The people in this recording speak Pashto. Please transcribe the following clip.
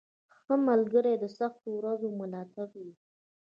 • ښه ملګری د سختو ورځو ملاتړ وي.